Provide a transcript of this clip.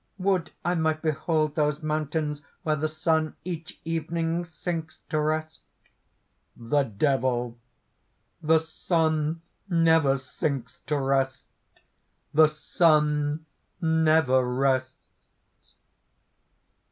Would I might behold those mountains where the sun, each evening, sinks to rest!" THE DEVIL. "The sun never sinks to rest; the sun never rests!"